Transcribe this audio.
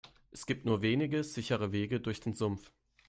Es gibt nur wenige sichere Wege durch den Sumpf.